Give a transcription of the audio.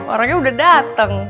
orangnya udah dateng